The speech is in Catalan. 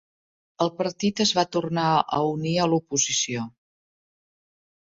El partit es va tornar a unir a l'oposició.